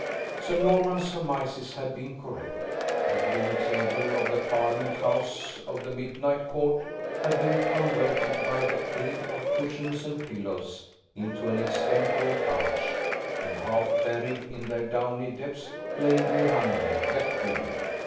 Sir Norman's surmises had been correct. The green table of the parliament house of the midnight court had been converted, by the aid of cushions and pillows, into an extempore couch; and half buried in their downy depths lay Miranda, the queen.